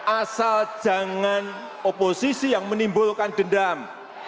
asal jangan oposisi yang menimbulkan dendam